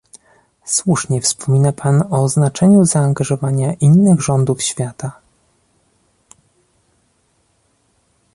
Słusznie wspomina pan o znaczeniu zaangażowania innych rządów świata